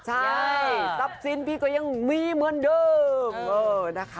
ใช่ทรัพย์สินพี่ก็ยังมีเหมือนเดิมนะคะ